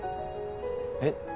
えっ？